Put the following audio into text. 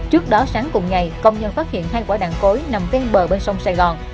trước đó sáng cùng ngày công nhân phát hiện hai quả đạn cối nằm ven bờ bên sông sài gòn